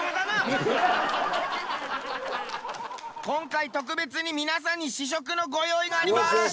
今回特別に皆さんに試食のご用意があります。